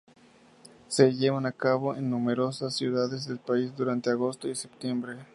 Se llevan a cabo en numerosas ciudades del país durante agosto y setiembre.